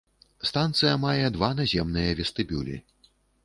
Станцыя мае два наземныя вестыбюлі.